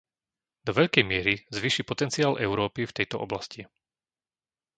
Do veľkej miery zvýši potenciál Európy v tejto oblasti.